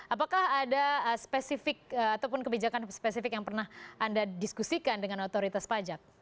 apakah ada spesifik ataupun kebijakan spesifik yang pernah anda diskusikan dengan otoritas pajak